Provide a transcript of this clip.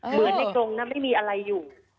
เหมือนในกรงนั้นไม่มีอะไรอยู่